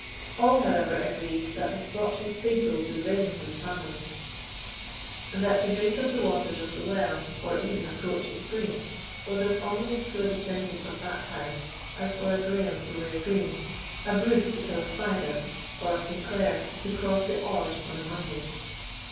All, however, agreed that the spot was fatal to the Ravenswood family; and that to drink of the waters of the well, or even approach its brink, was as ominous to a descendant of that house as for a Grahame to wear green, a Bruce to kill a spider, or a St. Clair to cross the Ord on a Monday.